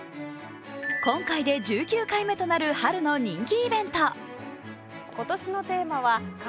今回で１９回目となる春の人気イベント。